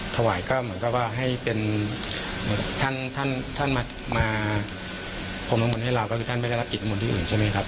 ถวัยก็เหมือนก็ว่าให้เป็นท่านมาพรมนำมนต์ให้เราก็คือท่านไม่ได้ขึ้นลังกิจละมนต์ที่อื่นใช่มั้ยครับ